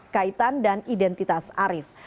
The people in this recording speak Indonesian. kaitan dan identitas arief